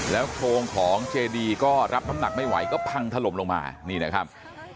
โครงของเจดีก็รับน้ำหนักไม่ไหวก็พังถล่มลงมานี่นะครับ